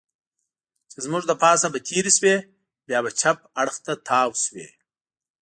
چې زموږ له پاسه به تېرې شوې، بیا به چپ اړخ ته تاو شوې.